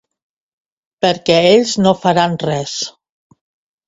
Perquè ells no faran res.